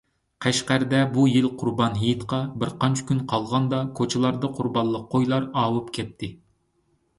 قەشقەردە بۇ يىل قۇربان ھېيتقا بىرقانچە كۈن قالغاندا كوچىلاردا قۇربانلىق قويلار ئاۋۇپ كەتتى.